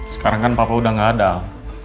sekarang kan papa udah gak ada hal